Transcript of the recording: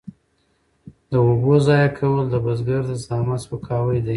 د اوبو ضایع کول د بزګر د زحمت سپکاوی دی.